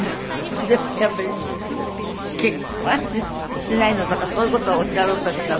でもやっぱり「結婚はしないの？」とかそういう事をおっしゃろうとしたの？